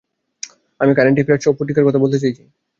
আমি কারেন্ট অ্যাফেয়ার্সসহ পত্রিকার কথা বলতে চাইছি।